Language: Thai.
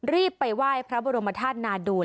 รีบไปไหว้พระบรมธาตุนาดูล